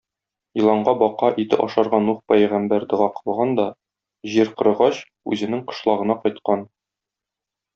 Еланга бака ите ашарга Нух пәйгамбәр дога кылган да, җир корыгач, үзенең кышлагына кайткан.